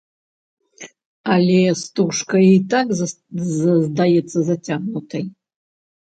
Але стужка й так здаецца зацягнутай.